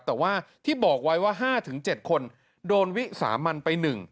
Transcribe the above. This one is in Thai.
แต่ว่าที่บอกไว้ว่า๕๗คนโดนวิสามันไป๑